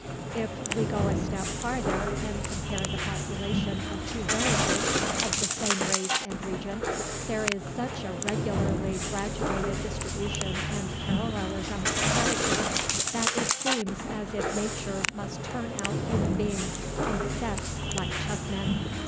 If we go a step farther, and compare the population of two villages of the same race and region, there is such a regularly graduated distribution and parallelism of character, that it seems as if Nature must turn out human beings in sets like chessmen.